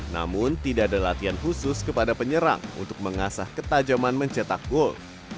namun tidak ada latihan khusus kepada penyerang untuk mengasah ketajaman mencetak gol